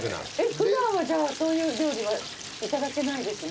普段はじゃあそういう料理は頂けないですね。